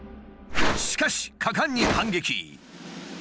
しかし果敢に反撃。